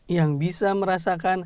yang bisa merasakan